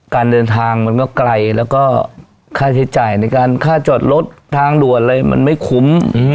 การเดินทางมันก็ไกลแล้วก็ค่าใช้จ่ายในการค่าจอดรถทางด่วนอะไรมันไม่คุ้ม